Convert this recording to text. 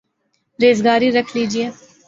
ریزگاری رکھ لیجئے